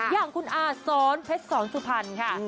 อย่างคุณอาซ้อนเพชรสอนสุพรรณค่ะ